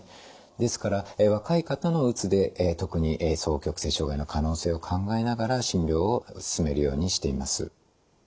ですから若い方のうつで特に双極性障害の可能性を考えながら診療を進めるようにしています。